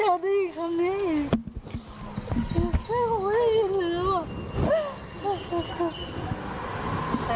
อือไม่ได้ยินคำนี้อีกแม่ก็ไม่ได้ยินแล้วอ่ะ